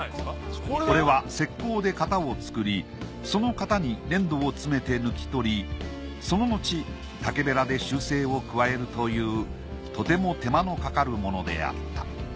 これは石こうで型を作りその型に粘土を詰めて抜き取りその後竹べらで修正を加えるというとても手間のかかるものであった。